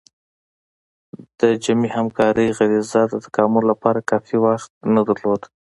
د جمعي همکارۍ غریزه د تکامل لپاره کافي وخت نه درلود.